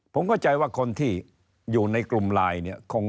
ผมเข้าใจว่าคนที่อยู่ในกลุ่มไลน์เนี่ย